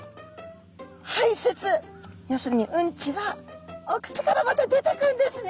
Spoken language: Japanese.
はいせつ要するにうんちはお口からまた出てくるんですね。